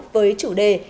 với chủ đề